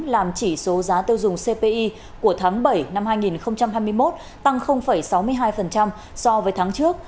làm chỉ số giá tiêu dùng cpi của tháng bảy năm hai nghìn hai mươi một tăng sáu mươi hai so với tháng trước